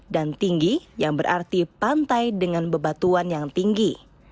dan tinggi yang berarti pantai dengan bebatuan yang tinggi